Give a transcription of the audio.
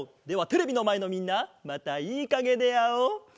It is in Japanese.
ではテレビのまえのみんなまたいいかげであおう。